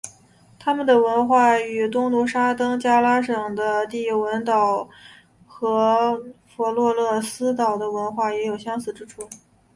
他们的文化与东努沙登加拉省的帝汶岛和弗洛勒斯岛的文化也有相似之处。